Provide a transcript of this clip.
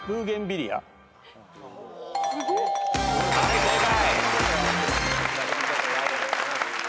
はい正解。